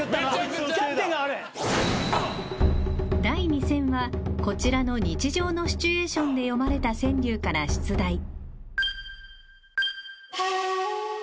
［第２戦はこちらの日常のシチュエーションで詠まれた川柳から出題］